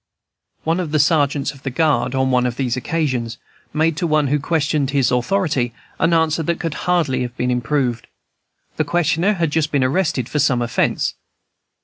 One of the sergeants of the guard, on one of these occasions, made to one who questioned his authority an answer that could hardly have been improved. The questioner had just been arrested for some offence.